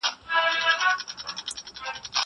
زه به قلم استعمالوم کړی وي!!